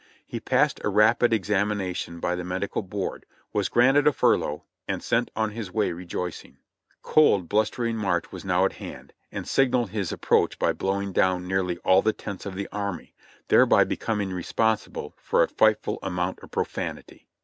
He passed a rapid examination by the medical board, was granted a furlough, and sent on his way rejoicing. Cold, blustering March was now at hand, and signalled his ap proach by blowing down nearly all the tents of the army, thereby becoming responsible for a frightful amount of profanity.